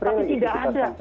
tapi tidak ada